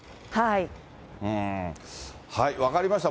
分かりました。